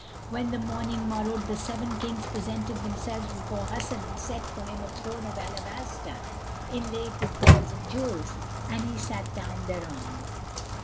When the morning morrowed, the Seven Kings presented themselves before Hasan and set for him a throne of alabaster inlaid with pearls and jewels, and he sat down thereon.